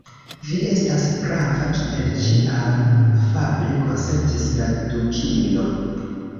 "Vi estas prava, kiel ĉiam," afable konsentis la Dukino.